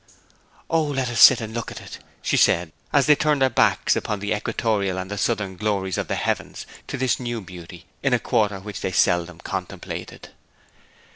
'O, let us sit and look at it!' she said; and they turned their backs upon the equatorial and the southern glories of the heavens to this new beauty in a quarter which they seldom contemplated.